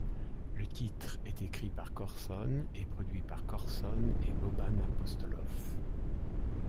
Le titre est écrit par Corson et produit par Corson et Boban Apostolov.